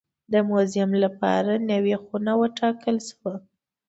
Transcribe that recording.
د موزیم لپاره نوې خونه وټاکل شوه.